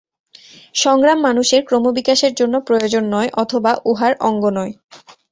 সংগ্রাম মানুষের ক্রমবিকাশের জন্য প্রয়োজন নয়, অথবা উহার অঙ্গ নয়।